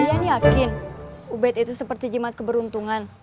kalian yakin ubet itu seperti jimat keberuntungan